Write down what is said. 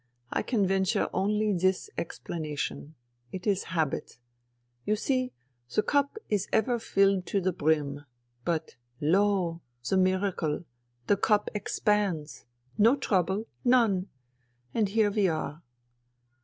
" I can venture only this explanation ; it is habit. You see, the cup is ever filled to the brim, but — lo ! the miracle ! the cup expands. No trouble. None !... And here we are."